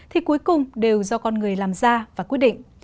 thì cuối cùng đều do con người làm ra và quyết định